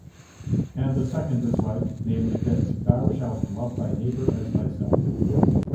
And the second is like, namely this, Thou shalt love thy neighbour as thyself.